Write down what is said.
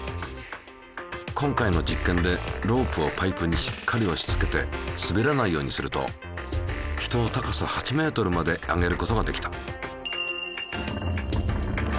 今回の実験でロープをパイプにしっかりおしつけてすべらないようにすると人を高さ８ｍまで上げることができた。